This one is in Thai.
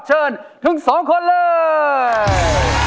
เชิญทั้งสองคนเลย